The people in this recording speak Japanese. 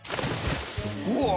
うわ！